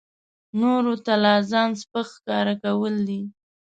نورو ته لا ځان سپک ښکاره کول دي.